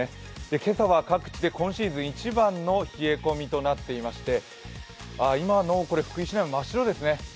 今朝は各地で今シーズン一番の冷え込みとなっていまして、今の福井市内も真っ白ですね。